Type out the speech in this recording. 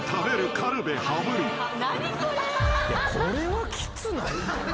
これはきつない？